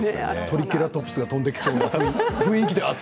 トリケラトプスが飛んできそうでしたね。